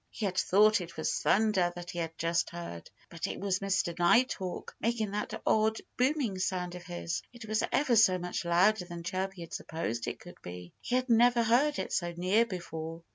He had thought it was thunder that he had just heard. But it was Mr. Nighthawk, making that odd, booming sound of his. It was ever so much louder than Chirpy had supposed it could be. He had never heard it so near before.